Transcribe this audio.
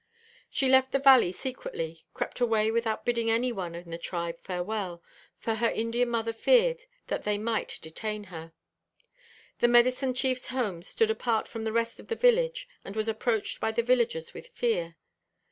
She left the valley secretly, crept away without bidding any one in the tribe farewell, for her Indian mother feared that they might detain her. The medicine chief's home stood apart from the rest of the village, and was approached by the villagers with fear.